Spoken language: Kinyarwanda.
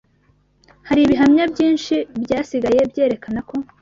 hari ibihamya byinshi byasigaye byerekana ko